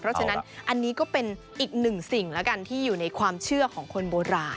เพราะฉะนั้นอันนี้ก็เป็นอีกหนึ่งสิ่งแล้วกันที่อยู่ในความเชื่อของคนโบราณ